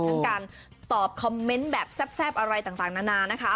ทั้งการตอบคอมเมนต์แบบแซ่บอะไรต่างนานานะคะ